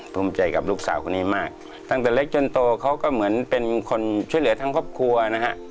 ภูมิใจกับลูกสาวคนนี้มากตั้งแต่เล็กจนโตเขาก็เหมือนเป็นคนช่วยเหลือทั้งครอบครัวนะฮะ